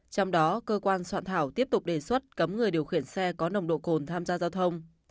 trong đó cơ quan soạn thảo tiếp tục đề xuất cấm người điều khiển xe có nồng độ cồn tham gia giao thông